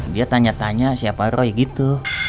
dia tanya tanya siapa roy gitu